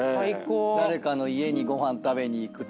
誰かの家にご飯食べに行くとかで。